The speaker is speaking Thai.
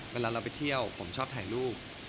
เวลาเราไปเที่ยวผมชอบถ่ายรูป